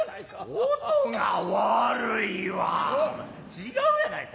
違うやないか。